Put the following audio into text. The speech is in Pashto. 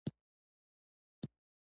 تا ته به مي ژوندی چرګ اخیستی وای .